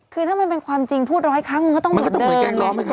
คือถ้ามันเป็นความจริงพูดร้อยครั้งมันก็ต้องเหมือนเดิมมันก็ต้องเหมือนแกล้งร้อมไหมครับ